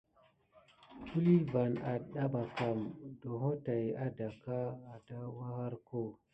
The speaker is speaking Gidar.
Kihule von adaba kam ɗoŋho tät adanka wuyarko.